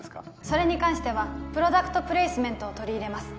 それに関してはプロダクトプレイスメントを取り入れます